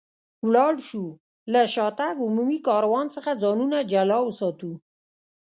ولاړ شو، له شاتګ عمومي کاروان څخه ځانونه جلا وساتو.